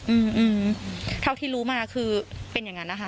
อืมอืมเท่าที่รู้มาคือเป็นอย่างนั้นนะคะ